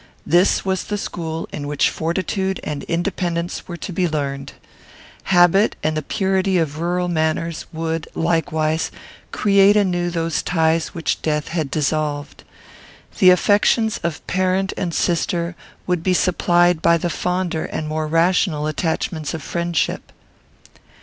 This was the school in which fortitude and independence were to be learned. Habit, and the purity of rural manners, would, likewise, create anew those ties which death had dissolved. The affections of parent and sister would be supplied by the fonder and more rational attachments of friendship.